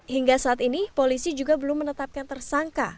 hingga saat ini polisi juga belum menetapkan tersangka